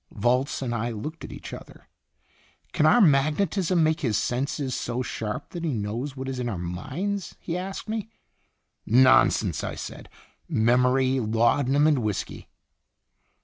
Volz and I looked at each other. "Can our magnetism make his senses so sharp that he knows what is in our minds?" he asked me. "Nonsense!" I said. "Memory, laudanum, and whisky."